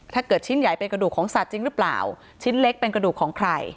ชิ้นใหญ่เป็นกระดูกของสัตว์จริงหรือเปล่าชิ้นเล็กเป็นกระดูกของใคร